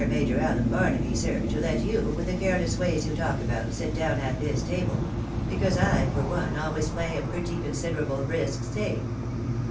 Major Allen Barnaby, sir, to let you, with the careless ways you talk about, sit down at this table ; be cause I, for one, always play a pretty considerable brisk stake."